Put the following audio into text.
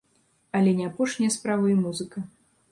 Але не апошняя справа і музыка.